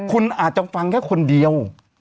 คุณอาจจะฟังแค่คนเดียว